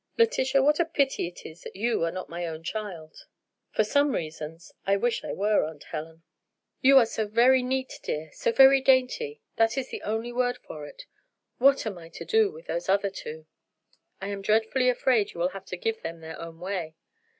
Letitia, what a pity it is you are not my own child." "For some reasons I wish I were, Aunt Helen." "You are so very neat, dear, so very dainty—that is the only word for it. What am I to do with those other two?" "I am dreadfully afraid you will have to give them their own way."